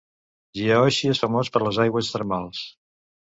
Jiaoxi és famós per les aigües termals.